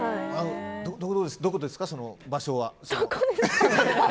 どこですか、場所は。